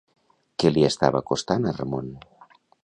Què li estava costant a Ramon?